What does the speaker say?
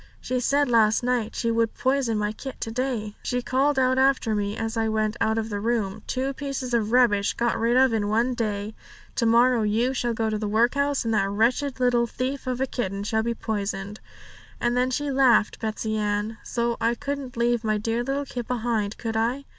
She said last night she would poison my kit to day. She called out after me as I went out of the room, "Two pieces of rubbish got rid of in one day. To morrow you shall go to the workhouse, and that wretched little thief of a kitten shall be poisoned." And then she laughed, Betsey Ann. So I couldn't leave my dear little kit behind, could I?'